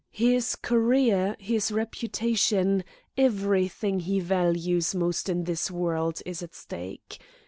"His career, his reputation, everything he values most in this world is at stake.